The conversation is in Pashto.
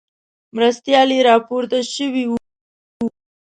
مرستیال یې راپورته شوی وو.